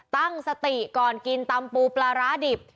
ตั้งสติก่อนกินตำปูปลาร้าดิบ